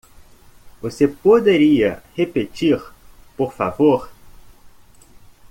Você poderia repetir por favor?